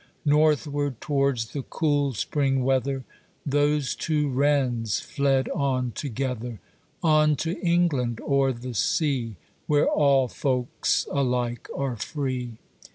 Northward towards the cool spring weather, Those two wrens fled on together, On to England o'er the sea, Where all folks alike are free.